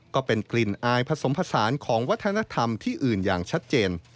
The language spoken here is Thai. ก็เป็นกลิ่นอายผสมผสานของวัฒนธรรมที่อื่นอย่างชัดเจน